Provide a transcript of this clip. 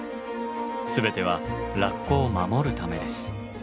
全てはラッコを守るためです。